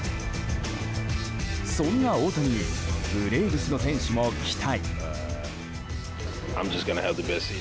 そんな大谷にブレーブスの選手も期待。